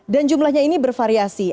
dan jumlahnya ini bervariasi